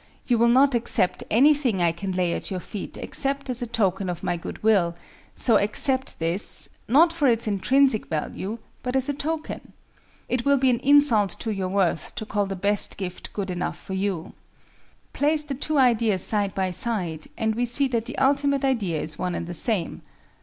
You will not accept anything I can lay at your feet except as a token of my good will; so accept this, not for its intrinsic value, but as a token. It will be an insult to your worth to call the best gift good enough for you." Place the two ideas side by side; and we see that the ultimate idea is one and the same.